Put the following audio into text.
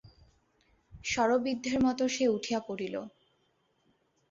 শরবিদ্ধের মতো সে উঠিয়া পড়িল।